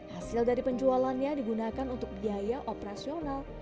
hasil dari penjualannya digunakan untuk biaya operasional